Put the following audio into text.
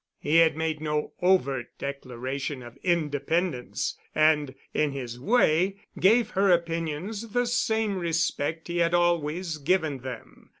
He had made no overt declaration of independence and, in his way, gave her opinions the same respect he had always given them.